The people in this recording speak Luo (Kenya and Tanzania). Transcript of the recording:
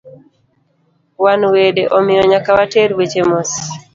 Wan wede, omiyo nyaka water weche mos